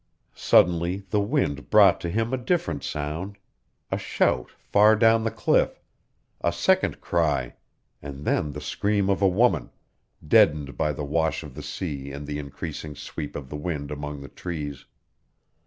Suddenly the wind brought to him a different sound a shout far down the cliff, a second cry, and then the scream of a woman, deadened by the wash of the sea and the increasing sweep of the wind among the trees.